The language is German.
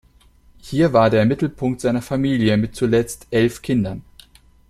Hier war der Mittelpunkt seiner Familie mit zuletzt elf Kindern.